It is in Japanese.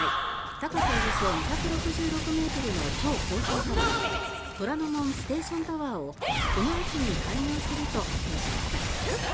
高さおよそ２６６ｍの超高層タワー「虎ノ門ステーションタワー」をこの秋に開業すると発表しました。